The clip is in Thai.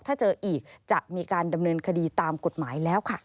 ถ้าเจออีกจะมีการดำเนินคดีตามกฎหมายแล้วค่ะ